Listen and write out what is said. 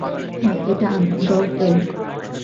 হ্যাঁ, এটা আমি, ডগ-এল।